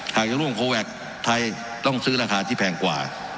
จะร่วมโคแวคไทยต้องซื้อราคาที่แพงกว่า